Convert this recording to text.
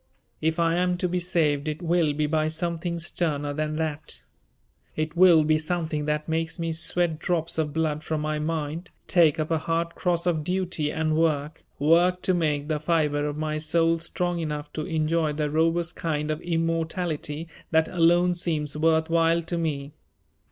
If I am to be saved it will be by something sterner than that; it will be something that makes me sweat drops of blood from my mind, take up a hard cross of duty and work, work to make the fibre of my soul strong enough to enjoy the robust kind of immortality that alone seems worth while to me.